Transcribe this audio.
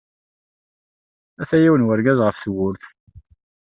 Ata yiwen wergaz ɣef tewwurt.